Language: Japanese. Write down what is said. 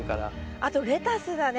あとレタスだね